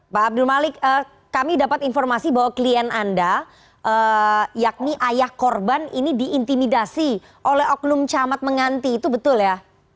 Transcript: pak abdul malik kami dapat informasi bahwa klien anda yakni ayah korban ini diintimidasi oleh oknum camat menganti itu betul ya